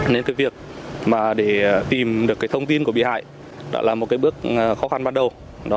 nên việc tìm được thông tin của bị hại là một bước khó khăn ban đầu